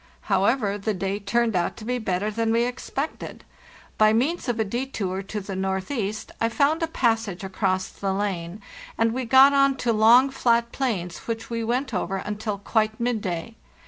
However, the day turned out to be better than we expected. By means of a detour to the northeast I found a passage across the lane, and we got on to long, flat plains which we went over until quite midday.